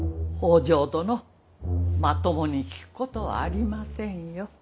北条殿まともに聞くことはありませんよ。